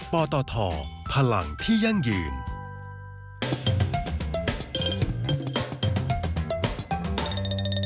โปรดติดตามตอนต่อไป